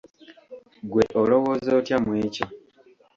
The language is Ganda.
Ggwe olowooza otya mwekyo?